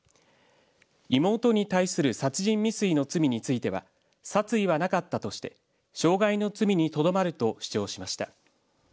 妹に対する殺人未遂の罪については殺意はなかったとして傷害の罪にとどまると主張しました。